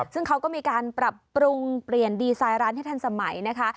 ซึ่งเขาก็มีการปรับปรุงเปลี่ยนดีไซน์ร้านให้ทันสมัยนะคะ